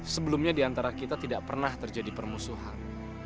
sebelumnya diantara kita tidak pernah terjadi permusuhan